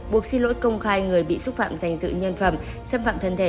buộc xin lỗi công khai người bị xúc phạm danh dự nhân phẩm xâm phạm thân thể